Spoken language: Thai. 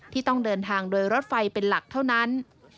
ที่ต้องเดินทางโดยรถไฟเป็นหลักเท่านั้น